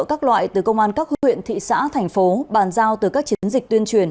các loại từ công an các huyện thị xã thành phố bàn giao từ các chiến dịch tuyên truyền